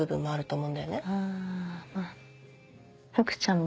うん。